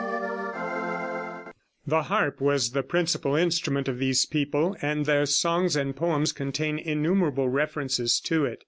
] The harp was the principal instrument of these people, and their songs and poems contain innumerable references to it.